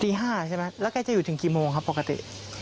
ตี๕ใช่ไหมแล้วแกจะอยู่ถึงกี่โมงครับปกติ